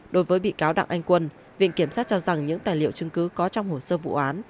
đối với bị cáo đặng anh quân viện kiểm sát cho rằng những tài liệu chứng cứ có trong hồ sơ vụ án